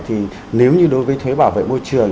thì nếu như đối với thuế bảo vệ môi trường